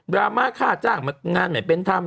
ราม่าค่าจ้างงานไม่เป็นธรรม